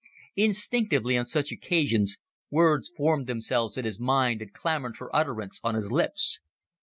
Instinctively, on such occasions, words formed themselves in his mind and clamored for utterance on his lips.